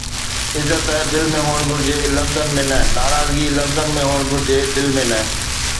عزت دل ۾ هئڻ گهرجي لفظن ۾ نه. ناراضگي لفظن ۾ هئڻ گهرجي دل ۾ نه